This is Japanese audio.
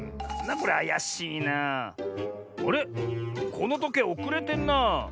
このとけいおくれてんなあ。